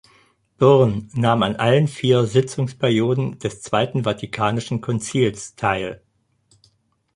Byrne nahm an allen vier Sitzungsperioden des Zweiten Vatikanischen Konzils teil.